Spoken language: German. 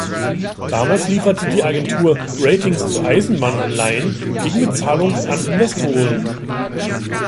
Damals lieferte die Agentur Ratings zu Eisenbahn-Anleihen gegen Bezahlung an Investoren.